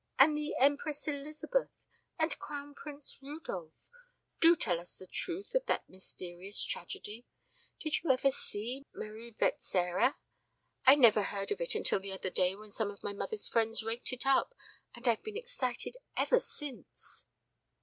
And the Empress Elizabeth. And Crown Prince Rudolf do tell us the truth of that mysterious tragedy. Did you ever see Marie Vetsera? I never heard of it until the other day when some of mother's friends raked it up, and I've been excited ever since."